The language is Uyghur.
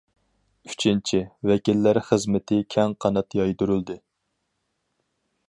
ئۈچىنچى، ۋەكىللەر خىزمىتى كەڭ قانات يايدۇرۇلدى.